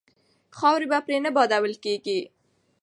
خاورې به پرې نه بادول کیږي.